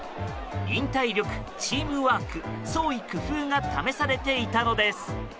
忍耐力、チームワーク創意工夫が試されていたのです。